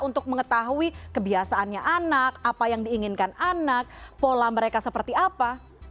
untuk mengetahui kebiasaannya anak apa yang diinginkan anak pola mereka seperti apa